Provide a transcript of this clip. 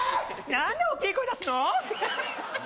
なんで大きい声出すの？